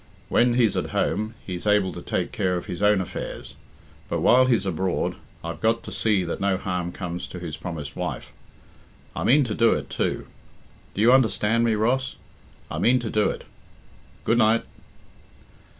When he's at home, he's able to take care of his own affairs; but while he's abroad I've got to see that no harm comes to his promised wife. I mean to do it, too. Do you understand me, Ross? I mean to do it. Good night!"